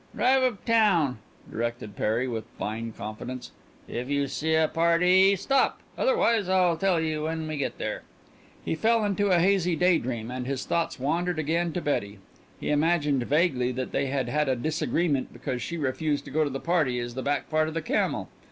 "Drive uptown," directed Perry with fine confidence. "If you see a party, stop. Otherwise I'll tell you when we get there." He fell into a hazy daydream and his thoughts wandered again to Betty he imagined vaguely that they had had a disagreement because she refused to go to the party as the back part of the camel.